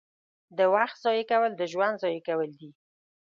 • د وخت ضایع کول د ژوند ضایع کول دي.